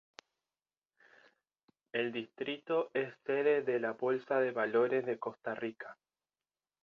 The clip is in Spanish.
El distrito es sede de la Bolsa de Valores de Costa Rica.